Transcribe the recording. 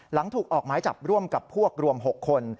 หลังถูกออกหมายจับร่วมกับพวกรวม๖คน